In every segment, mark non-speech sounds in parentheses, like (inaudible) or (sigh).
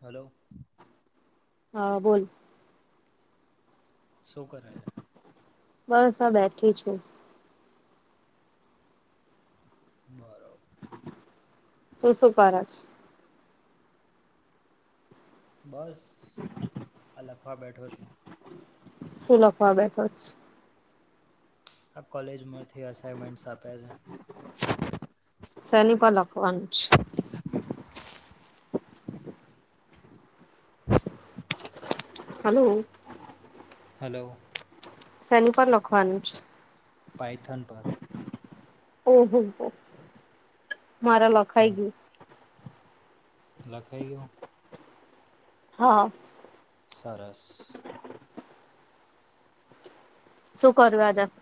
Hello હા બોલ શો કરે છે બસ હ બેઠી છું બરોબર તું શું કરત બસ આ લખવા બેઠો છો શું લખવા બેઠો આ કોલેજમાંથી અસાઇનમેન્ટ્સ આપ્યા છે સેનીપાલ લખવાન છે હલો હલો સનુપ લખવાનું પાઇથન પર ઓહ હો મારા લખાઈ હમ ગયું લખાઈ ગયો હા સરસ શું કરું આજ આપ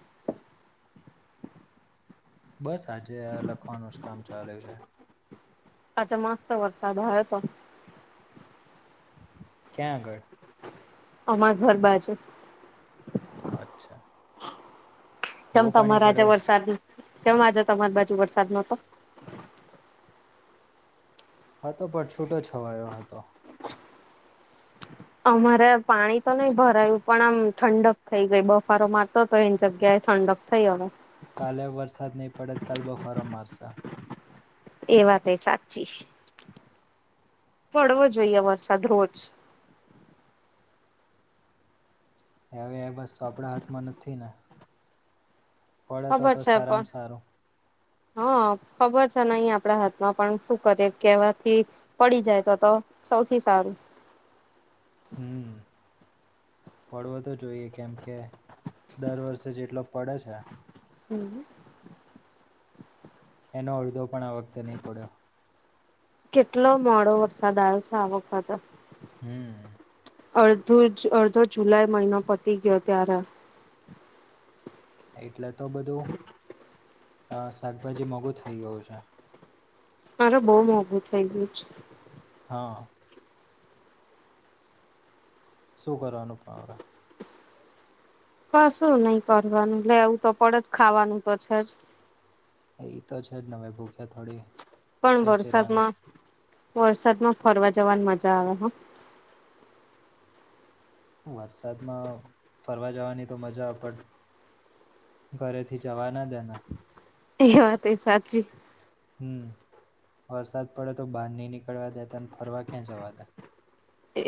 બસ આજે આ લખવાનું જ કામ ચાલ્યું છે અચ્છા મસ્ત વરસાદ આવ્યો હતો ચ્યા આગળ? અમા ઘર બાજુ અચ્છા કેમ બહુ પાણી તમારે આજે ભરાયું વરસાદ કેમ આજે તમારી બાજુ વરસાદ નો હતો? હતો પણ છૂટો છવાયો હતો. અમારે પાણી તો નહી ભરાયું પણ આમ ઠંડક થઈ ગઈ બફારો મારતો તો એની જગ્યાએ ઠંડક થઇ હવે. કાલે વરસાદ નહીં પડે કાલ બફારો મારશે એ વાત એ સાચી છે પડવો જોઈએ વરસાદ રોજ હવે એ બસ્તુ આપણા હાથમાં નથી ને પડે તો ખબર તો છે પન. સારામાં સારું હા ખબર છે નહીં આપડા હાથમાં પણ શું કરીએ કેવાથી પડી જાય તો તો સૌથી સારું હમ પડવો તો જોઈએ કેમકે દર વર્ષે જેટલો પડે છે. હમ એનો અડધો પણ આ વખતે નહી પડ્યો કેટલો મોડો વરસાદ આવ્યો છે આ વખત હમ અડધો અડધો જુલાઈ મહિનો પતી ગયો ત્યારે એટલે તો બધું શાકભાજી મોંઘું થઈ ગયું છે મારે બહુ મોંઘું થઇ ગયું છે હા શું કરવાનું પણ? કશું નહી કરવાનું લેવું તો પડે જ ખાવાનું તો છે જ. ઈ તો છે જ નવે ભૂખ્યા થોડી પણ બેસી રહેવાનું વરસાદમાં વરસાદમાં ફરવા જવાની મજા આવે વરસાદમાં ફરવા જવાની તો મજા પણટ ઘરેથી જવા ના દેના એ વાત એ સાચી હમ વરસાદ પડે તો બહાર નહી નીકળવા દેતા અને ફરવા ક્યાં જવાદે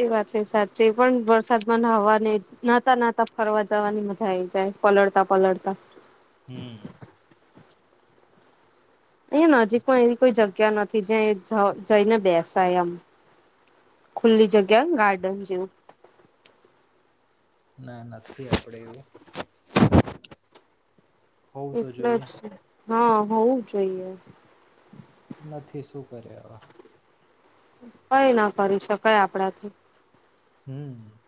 એ વાત સાચી પણ વરસાદમાં હવાને નાતા નાતા ફરવા જવાની મજા આવી જાય પલળતા પલડતા હમ અહીંયા નજીક માં એવી કોઈ જગ્યા નથી જ જઈને બેસાય એમ ખુલ્લી જગ્યા ગાર્ડન જેવું ના નથી આપડે એવું. હોવું તો એટલે જ જોઈએ હા હોવું જોઈએ નથી શું કરે હવે? કઈ ના કરી શકાય આપડા થી હમ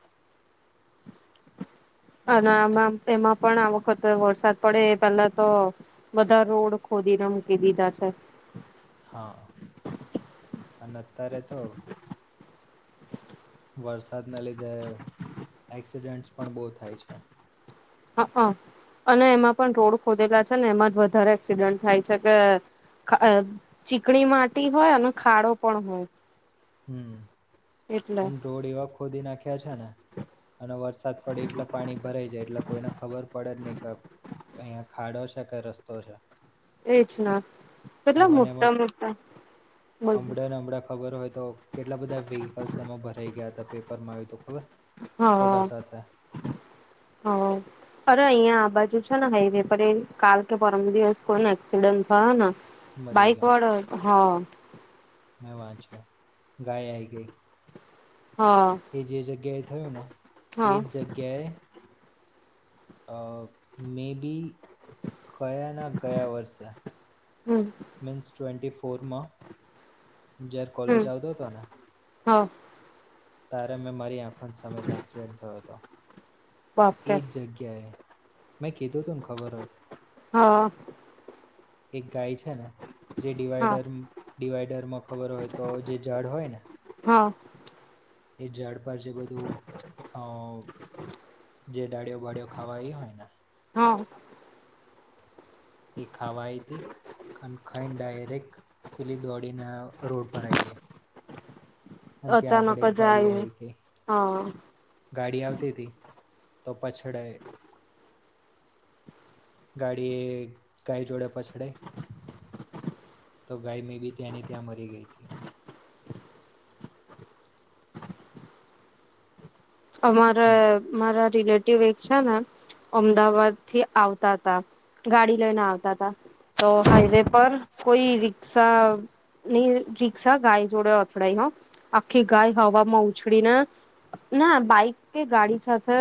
અને આમાં એમાં પણ આ વખત વરસાદ પડે એ પહેલા તો બધા રોડ ખોદી ને મૂકી દીધા છે હા અને અતારે તો વરસાદના લીધે એક્સિડેન્ટ્સ પણ બહુ થાય છે. હ અને એમાં પણ રોડ ખોદેલા છે ને એમાં જ વધારે એક્સિડન્ટ થાય છે કે ચીકણી માટી હોય અને ખાડો પણ હોય હમ્મ એટલે અને રોડ એવા ખોદી નાખ્યા છે ને અને વરસાદ પડી એટલે પાણી ભરાઈ જાય એટલે કોઈને ખબર પડે જ નહી કે અહીયા ખાડો છે કે રસ્તો છે. એજ ના કેટલા મોટા મોટા બ હમણે ને હમણે ખબર હોય તો કેટલા બધા વ્હીકલ્સ એમાં ભરાઈ ગયા હતા પેપરમાં આવ્યું તો ખબર. ફોટા હા. (inaudible) હા. અરે અહીયાં આ બાજુ છે ને હાઈવે પર એ કાલ કે પરમ દિવસ કોઈ એક્સિડન્ટ થયો ને મરી બઈક વાડો હા. મે વાંચ ગ ગાય આઈ ગઈ. એ જે જગ્યાએ થયું ને એ હ જ જગ્યાએ અ મે બી કયા ના ગયા વર્ષે હમ મીન્સ ટ્વેન્ટી ફોરમાં જ્યારે કોલેજ આવતો હતો ને હા. તારે મેં મારી આંખો સમય ત્યા એક્સિડેન્ટ થયો હતો બાપરે એજ જગ્યાએ મેં કીધું તું ખબર હતું. હ હ એક ગાય છે ને જે હ ડિવાઈડર ડિવાઈડરમાં ખબર હોય તો જે જડ હોય ને હા. એ ઝાડ પર જે બધું હા. જે ડાળિયો બાળિયો ખાવા એ હોય ને હા. એ ખાવાઈ હતી અને ખાઈને ડાયરેક્ટ પેલી દોડી ને રોડ પર આવી ગઈ. અને ત્યાં આગળ અચાનક એક જ ગાડી આઈ આવ્યું ગઈ. હા ગાડી આવતી હતી તો પાછળ ગાડી ગાય જોડે પાછડે તો ગાય મેં બી ત્યાંની ત્યાં મરી ગઈ હતી. હમ, અમારા મારા રિલેટિવ એક છે ને અમદાવાદ થી આવતા હતા ગાડી લઈને આવતા હતા. તો હાઈવે પર કોઈ રીક્ષા ની રીક્ષા ગાય જોડે અથડાઈનો આખી ગાય હવામાં ઉછળીને ના બાઈક કે ગાડી સાથે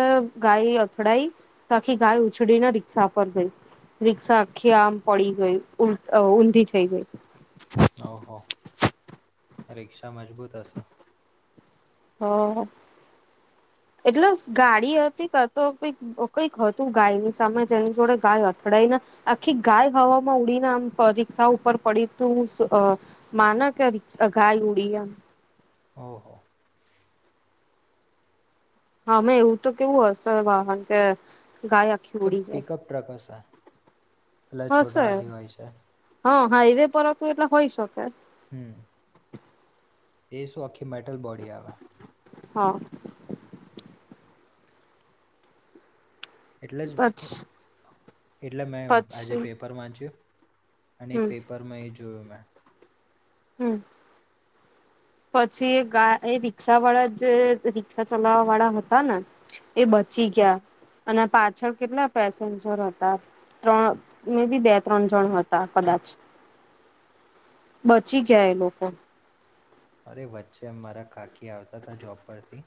ગાય અથડાઈ તો આખી ગાય ઉછડીને રિક્ષા પર ગઈ. રિક્ષા આખી આમ પડી ગઈલ ઊ ઊંધી થઈ ગઈ. ઓહ રિક્ષા મજબૂત હાસ. હા હા એટલે ગાડી હતી ક તો કોઈક ઓ કઈક હતું ગાયની સામે જેની જોડે ગાય અથડાયને આખી ગાય હવામાં ઉડીને આમ પા રીક્ષા ઉપર પડી તું શું આ મા ના કે ગાય ઉડી એમ. ઓ હો. હા મે એવું તો કેવું હશે વાહન કે ગાય આ કોઈ પિકઅપ ટ્રક હશે પેલા છોટા હશે હાથી હોય છે. હા હાઈવે પર હતું એટલા હોય શકે. હમ્મ એ શું આખી મેટલ બોડી આવે. હા. એટલે જ પછી એટલે મેં આજે પછી પેપર વાંચ્યું અને એ હમ પેપરમાં એ જોયું મેં હમ્મ. પછી એ ગા એ રિક્ષા વાળા જે રિક્ષા ચલાવવા વાળા હતા ને એ બચી ગયા, અને પાછળ કેટલા પેસેન્જર હતા ત્રણ, મેબી બે-ત્રણ જણ હતા કદાચ. બચી ગયા એ લોકો. અરે વચ્ચે મારા કાકી આવતા તા જોબ પરથી,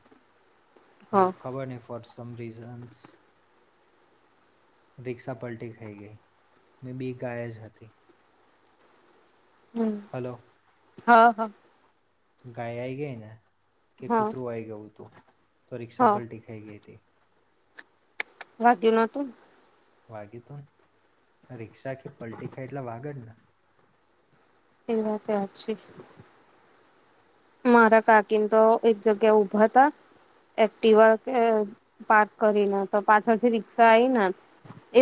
પણ હા ખબર નહીં વોટ સમ રિઝન્સ રિક્ષા પલટી ખાઈ ગઈ, મેબી એક ગાય જ હતી. હમ્મ. હલો. હા, હા. ગાય આઈ ગઈ ને, કે હા કૂતરું આઈ ગયું તું, તો રિક્ષા હા પલટી ખાઈ ગઈ હતી. વાગ્યું નોતુંન? વાગ્યું તુંન, રિક્ષા આખી પલટી ખાય એટલે વાગે જ ને. એ વાત એય હાચી. મારા કાકીન તો એક જગ્યા ઊભા તા એક્ટિવા કે પાર્ક કરીને, તો પાછળથી રિક્ષા આઈના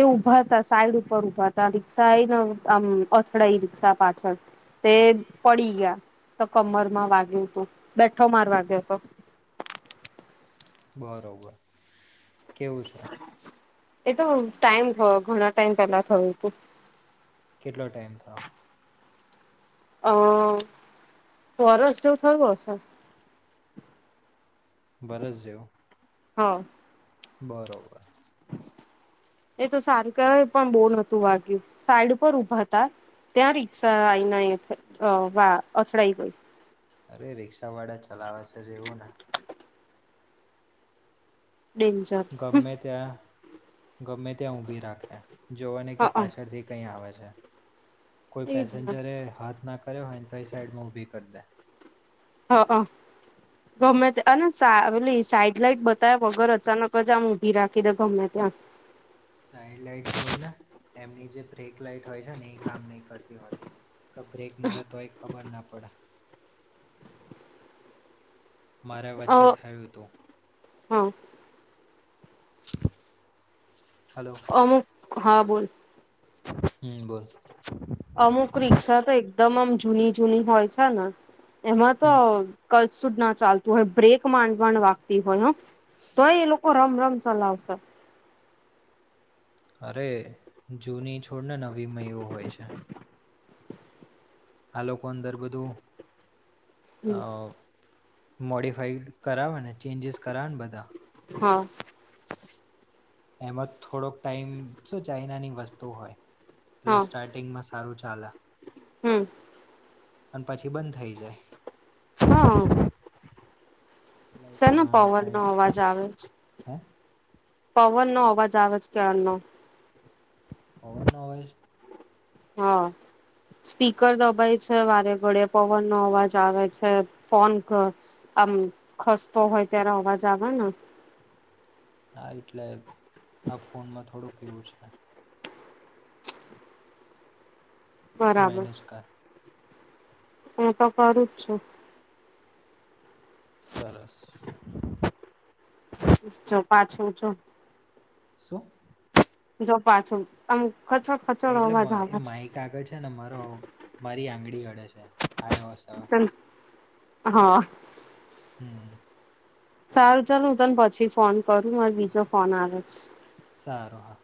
એ ઉભા તા, સાઈડ ઉપર ઊભા તા, રિક્ષા આઈ ને આમ અથડાઈ રિક્ષા પાછળ. તે પડી ગયા, તો કમર માં વાગ્યું તું, બેઠો માર વાગ્યો તો. બરોબર. કેવું છે? એ તો ટાઈમ થયો, ઘણા ટાઈમ પેલા થયું તું. કેટલો ટાઈમ થયો? અહ વરસ જેવું થયું હશે. વરસ જેવું? હા. બરોબર. એ તો સારૂ કેવાય પણ બહુ નહોતું વાગ્યું, સાઈડ ઉપર ઊભા તા ત્યાં રિક્ષા આઈનાઈ વા અથડાઈ ગઈ. અરે રિક્ષા વાળા ચલાવે છે જ એવું ને. ડેન ગમે ત્યાં, ગમે ત્યાં ઊભી રાખે, જોવે નહીં હ કે હ પાછળથી કંઈ આવે છે. કોઈ એજ ને પેસેન્જરે હાથ ના કર્યો હોયને તોય સાઈડ ઉભી કર દે. અહં. ગમે ત્યાં અને સા ઓલી સાઈડ લાઈટ બતાવ્યા વગર અચાનક જ આમ ઊભી રાખી દે ગમે ત્યાં. સાઈડ લાઈટ (unintelligible) એમની જે બ્રેક લાઈટ હોય છે ને ઈ કામ નહીં કરતી હોતી. ક બ્રેક મારે તોય ખબર ના પડે. મારે અ વચ્ચે થયું તું. હા. હલો. અમુક, હા બોલ. હમ્મ બોલ. અમુક રિક્ષા તો એકદમ આમ જૂની-જૂની હોય છે ને એમાં તો હમ કશું જ ના ચાલતું હોય, બ્રેક માંડ-માંડ વાગતી હોય હો. તોય એ લોકો રમ-રમ ચલાવશે. અરે, જૂની છોડ ને નવી માંય એવું હોય છે. આ લોકો અંદર બધું હમ અહ મોડિફાઈડ કરાવે ને, ચેન્જીસ કરાવે ને બધા હા. એમાં થોડોક ટાઈમ શું ચાઈનાની વસ્તુ હોય, હા પ્લસ સ્ટાર્ટ ટિંગ માં સારું ચાલે. હમ્મ. અને પછી બંધ થઈ જાય. હા શેનો લઇટમાં પવન નો સાઈડ અવાજ આવે છે હે. પવન નો અવાજ આવે છે ક્યાર નો. હવ હો હા સ્પીકર દબાય છે વારે ગળે પવન નો અવાજ આવે છે ફોન આમ ખસતો હોય ત્યારે અવાજ આવે ને હા એટલે આ ફોનમાં થોડુંક એવું છે મનેજ કર એ તો કરું જ છું સરસ જો પાછું છું શો જ પાાછું આમ કચોડ ખચોર અવાજ આવવા કાગળ છે ને મારો મારી આંગળી ઘડે છે આ હા હમ સારું ચાલ હું તને પછી ફોન કરું મારે બીજો ફોન આવે છે સારું